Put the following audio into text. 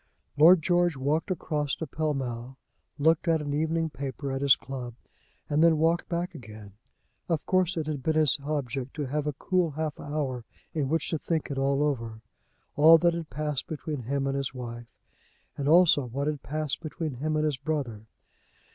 Lord George walked across to Pall Mall, looked at an evening paper at his club, and then walked back again. Of course it had been his object to have a cool half hour in which to think it all over, all that had passed between him and his wife, and also what had passed between him and his brother.